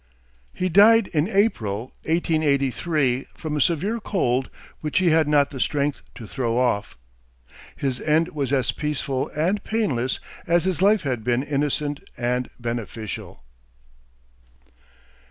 '" He died in April, 1883, from a severe cold which he had not the strength to throw off. His end was as peaceful and painless as his life had been innocent and beneficial.